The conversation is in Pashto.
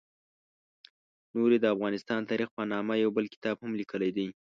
نوري د افغانستان تاریخ په نامه یو بل کتاب هم لیکلی دی.